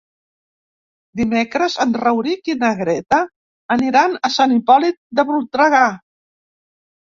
Dimecres en Rauric i na Greta aniran a Sant Hipòlit de Voltregà.